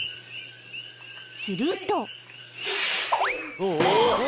［すると］